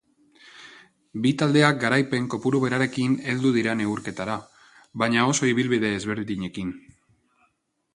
Bi taldeak garaipen kopuru berarekin heldu dira neurketara, baina oso ibilbide ezberdinekin.